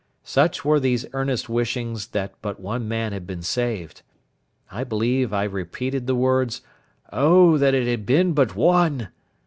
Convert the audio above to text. Such were these earnest wishings that but one man had been saved. I believe I repeated the words, "Oh that it had been but one!"